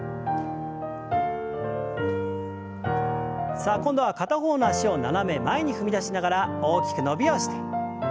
さあ今度は片方の脚を斜め前に踏み出しながら大きく伸びをして。